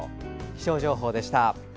気象情報でした。